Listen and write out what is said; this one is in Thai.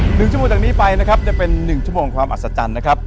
หนึ่งชั่วโมงจากนี้ไปนะครับจะเป็นหนึ่งชั่วโมงความอัศจรรย์นะครับ